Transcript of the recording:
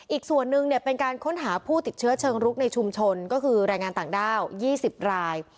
อีกส่วนหนึ่งเป็นการค้นหาผู้ติดเชื้อเชิงรุกในชุมชนก็คือแรงงานต่างด้าว๒๐ราย